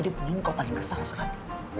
dia penyengkau paling kesal sekali